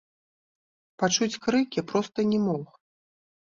Пачуць крыкі проста не мог.